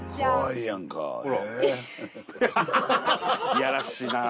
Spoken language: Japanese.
いやらしいなぁ。